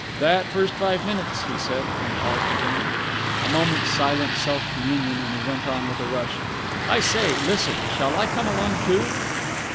"That first five minutes!" he said, and paused again. A moment's silent self communion, and he went on with a rush. "I say, listen. Shall I come along, too?"